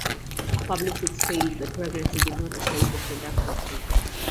A publicist said the pregnancy did not affect the production schedule.